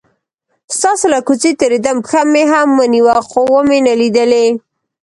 ستاسو له کوڅې تیرېدم، پښه مې هم ونیوه خو ومې نه لیدلې.